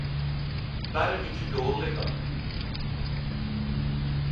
Berre mykje dårlegare.